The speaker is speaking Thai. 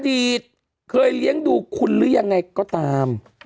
อดีตเคยเลี้ยงดูคุณหรือยังไงก็ตาม